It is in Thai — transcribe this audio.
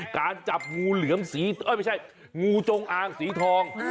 การจับงูเหลือมสีไม่ใช่งูจงอางสีทอง